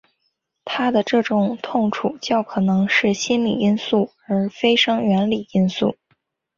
他的这种痛楚较可能是心理因素而非生理因素。